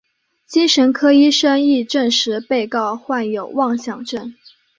精神科医生亦证实被告患有妄想症。